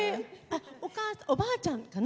おばあちゃんかな？